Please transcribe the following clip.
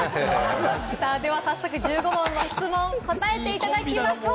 早速、１５問の質問に答えていただきましょう。